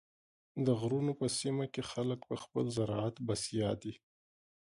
د غرونو په سیمو کې خلک په خپل زراعت بسیا دي.